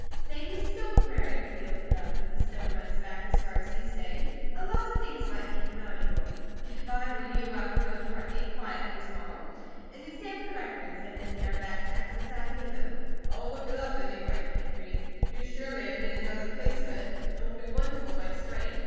Maybe a stone quarry could be opened up, if the stone runs back as far as you say. A lot of things might make it valuable. If I were you I would go to Hartley, quietly, to morrow, and examine the records, and if there are back taxes I'd pay them." "I'll look it up, anyway," he agreed. "You surely have made another place of it. It will be wonderful by spring."